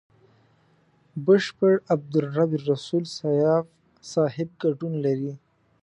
بشپړ عبدالرب رسول سياف صاحب ګډون لري.